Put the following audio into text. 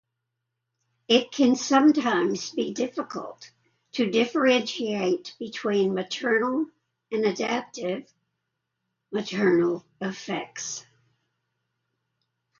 It can sometimes be difficult to differentiate between maternal and adaptive maternal effects.